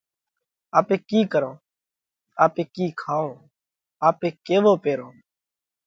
آپي ڪِي ڪرونه؟ آپي ڪِي کائونه؟ آپي ڪيوَو پيرونه؟